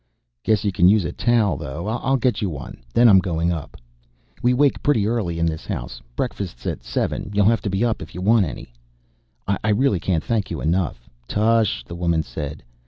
"Guess you can use a towel, though. I'll get you one, then I'm going up. We wake pretty early in this house. Breakfast's at seven; you'll have to be up if you want any." "I really can't thank you enough " "Tush," the woman said.